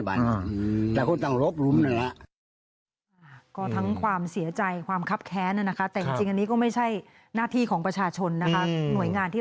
ไปตกกลุ่มด้วยจังได่